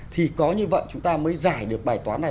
thì có như vậy chúng ta mới giải được bài toán này